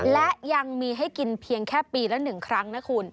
และยังมีให้กินเพียงแค่ปีละ๑ครั้งนะคุณ